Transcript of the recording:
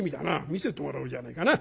見せてもらおうじゃねえかな。